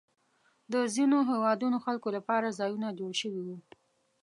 د ځینو هېوادونو خلکو لپاره ځایونه جوړ شوي وو.